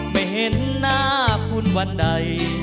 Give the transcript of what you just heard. ไม่เห็นหน้าคุณวันใด